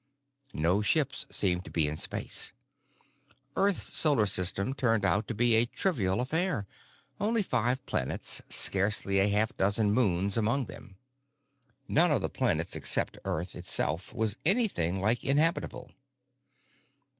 No ships seemed to be in space. Earth's solar system turned out to be a trivial affair, only five planets, scarcely a half dozen moons among them. None of the planets except Earth itself was anything like inhabitable.